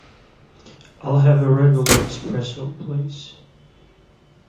I'll have a regular Espresso please.